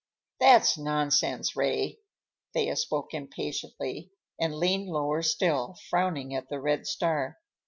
"That's nonsense, Ray." Thea spoke impatiently and leaned lower still, frowning at the red star.